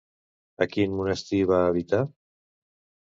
A quin monestir va habitar?